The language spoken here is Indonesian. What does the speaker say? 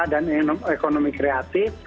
dan ekonomi kreatif